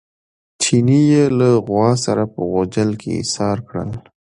چیني یې له غوا سره په غوجل کې ایسار کړل.